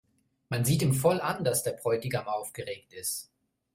Man sieht ihm voll an, dass der Bräutigam aufgeregt ist.